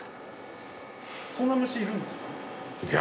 そんな虫いるんですか？